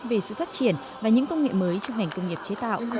về sự phát triển và những công nghệ mới trong ngành công nghiệp chế tạo